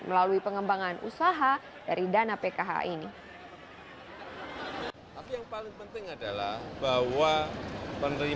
melalui pengembangan usaha dari dana pkh ini